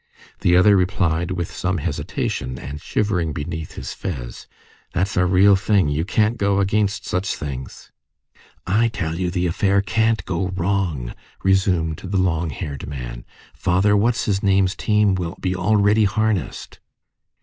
The other replied with some hesitation, and shivering beneath his fez:— "That's a real thing. You can't go against such things." "I tell you that the affair can't go wrong," resumed the long haired man. "Father What's his name's team will be already harnessed."